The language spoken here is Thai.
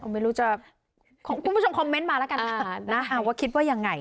ไม่รู้จะคุณผู้ชมคอมเมนต์มาแล้วกันนะคะว่าคิดว่ายังไง